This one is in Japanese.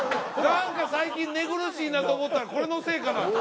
何か最近寝苦しいなと思ったらこれのせいかな？